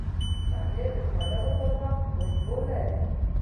پنېر د خوړلو پر وخت خوشبو لري.